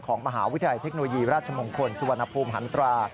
ของมหาวิทยาลัยเทคโนยีราชมงคลสวนภูมิหันตรา